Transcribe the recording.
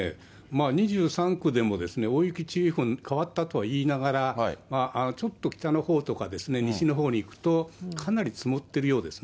２３区でも大雪注意報に変わったとはいいながら、ちょっと北のほうとか、西のほうに行くと、かなり積もってるようですね。